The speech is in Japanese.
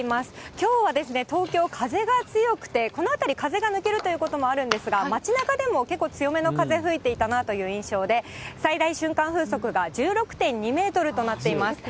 きょうは東京、風が強くて、この辺り、風が抜けるということもあるんですが、街なかでも結構強めな風、吹いていたなという印象で、最大瞬間風速が１６．２メートルとなっています。